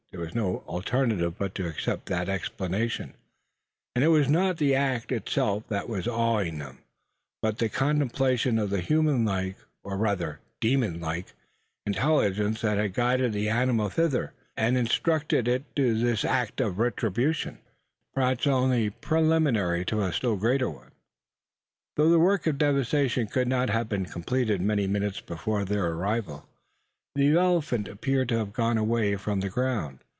There was no alternative but to accept that explanation; and it was not the act itself that was awing them, but the contemplation of the human like, or rather demon like, intelligence that had guided the animal thither, and instructed it to this act of retribution, perhaps only preliminary to a still greater one. Though the work of devastation could not have been completed many minutes before their arrival, the elephant appeared to have gone away from the ground.